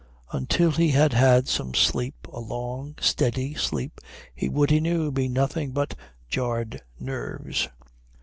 Until he had had some sleep, a long steady sleep, he would, he knew, be nothing but jarred nerves.